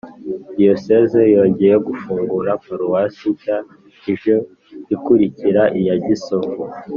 diyosezi yongeye gufungura paruwasi nshya ije ikurikira iya gisovu